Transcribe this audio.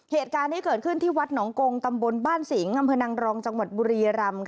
เหตุการณ์นี้เกิดขึ้นที่วัดหนองกงตำบลบ้านสิงห์อำเภอนางรองจังหวัดบุรีรำ